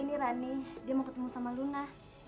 ini rani dia mau ketemu sama luna